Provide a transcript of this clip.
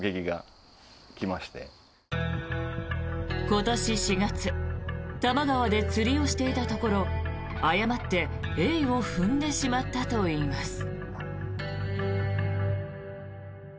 今年４月、多摩川で釣りをしていたところ誤ってエイを踏んでしまったといいます。